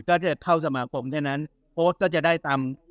ก็ได้เข้าสมาครมเท่านั้นโฟสต์ก็จะได้ตาม